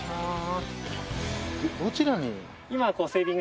どちらに？